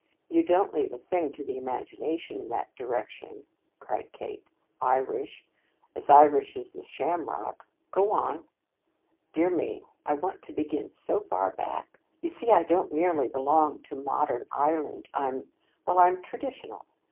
"You don't leave a thing to the imagination in that direction," Kate cried. "Irish? As Irish as the shamrock! Go on." "Dear me, I want to begin so far back! You see, I don't merely belong to modern Ireland. I'm well, I'm traditional.